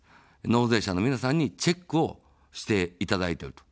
納税者の皆さんにチェックをしていただいていると。